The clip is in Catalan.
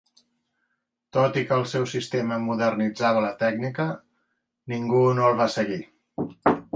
Tot i que el seu sistema modernitzava la tècnica, ningú no el va seguir.